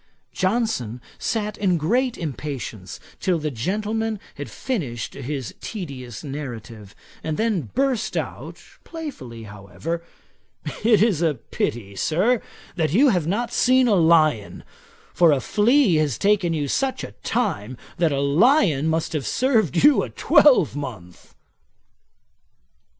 Johnson sat in great impatience till the gentleman had finished his tedious narrative, and then burst out (playfully however,) 'It is a pity, Sir, that you have not seen a lion; for a flea has taken you such a time, that a lion must have served you a twelve month.'